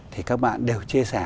thì các bạn đều chia sẻ